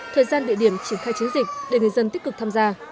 thời gian địa điểm triển khai chiến dịch để người dân tích cực tham gia